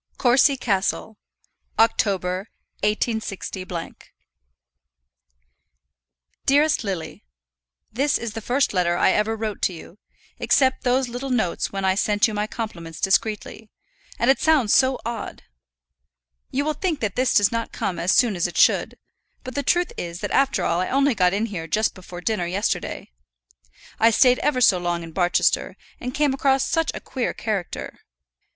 Courcy Castle, October, 186 . DEAREST LILY, This is the first letter I ever wrote to you, except those little notes when I sent you my compliments discreetly, and it sounds so odd. You will think that this does not come as soon as it should; but the truth is that after all I only got in here just before dinner yesterday. I stayed ever so long in Barchester, and came across such a queer character.